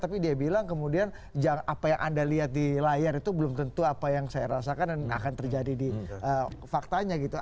tapi dia bilang kemudian apa yang anda lihat di layar itu belum tentu apa yang saya rasakan dan akan terjadi di faktanya gitu